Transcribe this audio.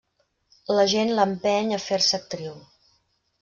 L'agent l'empeny a fer-se actriu.